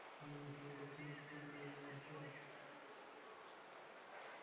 তবে চীনা পাসপোর্ট ব্যবহারের বিষয়টি নিয়ে প্রতিবেদনে সন্দেহ পোষন করা হয়েছে।